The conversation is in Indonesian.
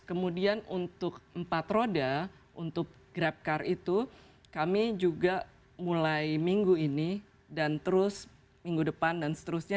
kemudian untuk empat roda untuk grabcar itu kami juga mulai minggu ini dan terus minggu depan dan seterusnya